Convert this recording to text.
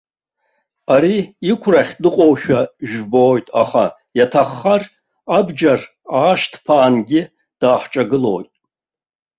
Ари иқәрахь дыҟоушәа жәбоит, аха, иаҭаххар, абџьар аашьҭԥаангьы даҳҿагылоит.